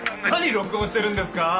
何録音してるんですか？